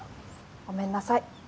ごめんなさい。